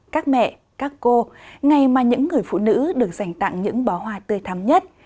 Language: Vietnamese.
các mẹ các cô ngày mà những người phụ nữ được dành tặng những bó hoa tươi thắm nhất